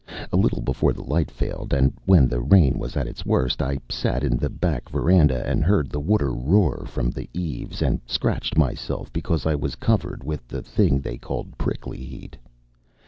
A little before the light failed, and when the rain was at its worst, I sat in the back veranda and heard the water roar from the eaves, and scratched myself because I was covered with the thing they called prickly heat.